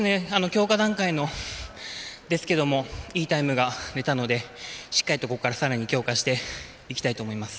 強化段階ですけどもいいタイムが出たのでしっかりと、ここから強化していきたいと思います。